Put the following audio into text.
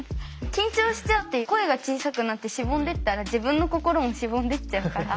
緊張しちゃって声が小さくなってしぼんでいったら自分の心もしぼんでいっちゃうから。